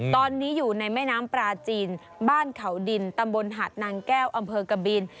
ตอนนี้อยู่ในแม่น้ำปลาจีนบ้านเขาดินตำบลหาดนางแก้วอำเภอกบิน